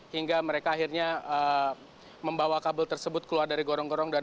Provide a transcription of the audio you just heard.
hingga mereka akhirnya membawa kabel tersebut keluar dari gorong gorong